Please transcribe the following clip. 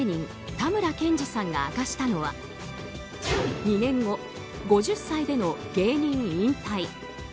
たむらけんじさんが明かしたのは２年後、５０歳での芸人引退。